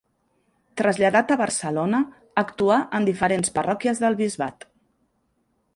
Traslladat a Barcelona, actuà en diferents parròquies del bisbat.